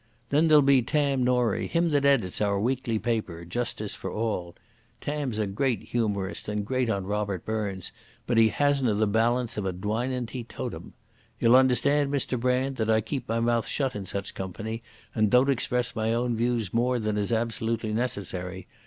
Then there'll be Tam Norie, him that edits our weekly paper—Justice for All. Tam's a humorist and great on Robert Burns, but he hasna the balance o' a dwinin' teetotum.... Ye'll understand, Mr Brand, that I keep my mouth shut in such company, and don't express my own views more than is absolutely necessary.